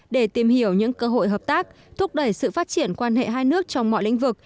để tìm hiểu những cơ hội hợp tác thúc đẩy sự phát triển quan hệ hai nước trong mọi lĩnh vực